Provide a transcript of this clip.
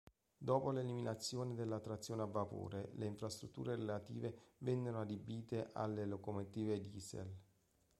Dopo l'eliminazione della trazione a vapore le infrastrutture relative vennero adibite alle locomotive Diesel.